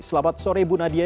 selamat sore bu nadia